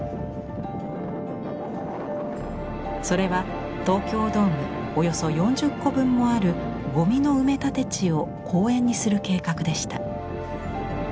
それは東京ドームおよそ４０個分もあるゴミの埋め立て地を公園にする計画でした。